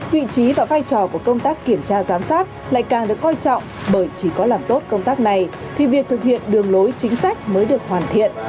vị trí và vai trò của công tác kiểm tra giám sát lại càng được coi trọng bởi chỉ có làm tốt công tác này thì việc thực hiện đường lối chính sách mới được hoàn thiện